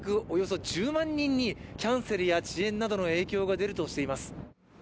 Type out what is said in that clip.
およそ１０万人にキャンセルや遅延などの影響が出るとしています。